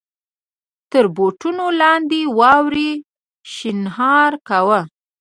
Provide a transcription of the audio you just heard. تر بوټو لاندې واورې شڼهار کاوه.